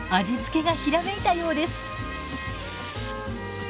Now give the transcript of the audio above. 味付けがひらめいたようです。